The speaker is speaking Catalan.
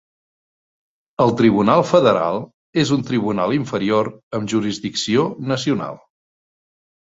El Tribunal Federal és un tribunal inferior amb jurisdicció nacional.